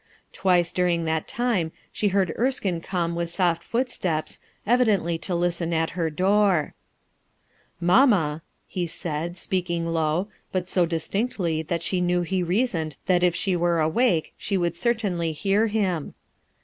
Twice during that time she heard Erskine come with soft foot steps, evidently to listen at her door, '* Mamma/' he said, speaking low, but so dis tinctly that she knew he reasoned that if she were awake she would certainly hear him.